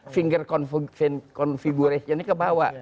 finger configuration nya kebawah